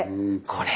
これ。